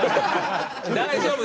大丈夫！